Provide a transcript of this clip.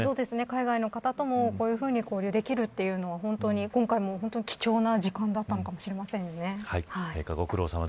海外の方とも交流できるというのは今回も本当に貴重な時間だったのかもしれません。